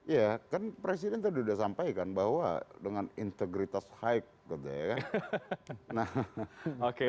ya kan presiden tadi sudah sampaikan bahwa dengan integritas high